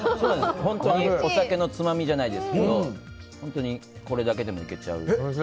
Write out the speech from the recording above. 本当にお酒のつまみじゃないですけど本当にこれだけでもいけちゃう。